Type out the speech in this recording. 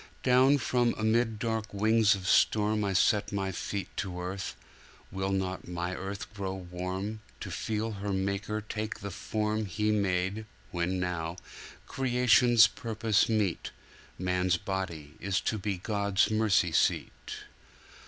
'Down from amid dark wings of storm I set My Feet To earth. Will not My earth grow warm To feel her Maker take the form He made, when now, Creation's purpose meet, Man's body is to be God's Mercy seat?